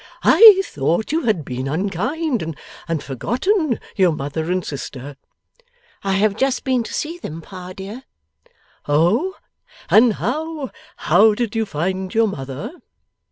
I thought you had been unkind and forgotten your mother and sister.' 'I have just been to see them, Pa dear.' 'Oh! and how how did you find your mother?